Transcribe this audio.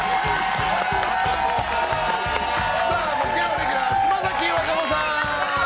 木曜レギュラー、島崎和歌子さん。